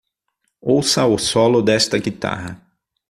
Ouça o solo desta guitarra!